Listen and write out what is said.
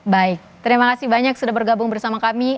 baik terima kasih banyak sudah bergabung bersama kami